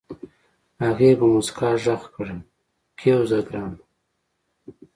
هغې په موسکا غږ کړ کېوځه ګرانه.